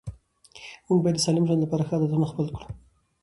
موږ باید د سالم ژوند لپاره ښه عادتونه خپل کړو